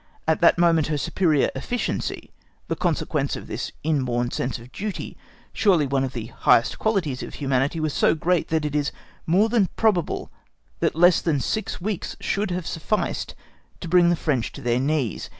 At that moment her superior efficiency, the consequence of this inborn sense of duty—surely one of the highest qualities of humanity—was so great that it is more than probable that less than six weeks would have sufficed to bring the French to their knees.